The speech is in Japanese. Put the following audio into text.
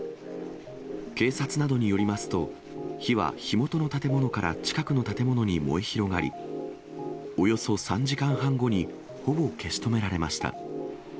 警察などによりますと、火は火元の建物から近くの建物に燃え広がり、およそ３時間半後にほぼ消し止められました。